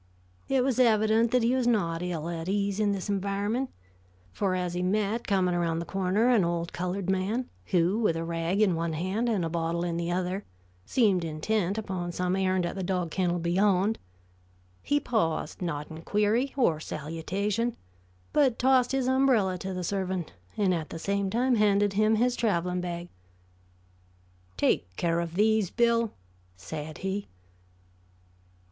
It was evident that he was not ill at ease in this environment; for as he met coming around the corner an old colored man, who, with a rag in one hand and a bottle in the other, seemed intent upon some errand at the dog kennel beyond, he paused not in query or salutation, but tossed his umbrella to the servant and at the same time handed him his traveling bag. "Take care of these, Bill," said he.